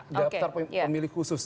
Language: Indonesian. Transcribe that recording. daptar pemilik khusus